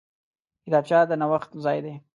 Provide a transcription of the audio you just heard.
کتابچه د نوښت ځای دی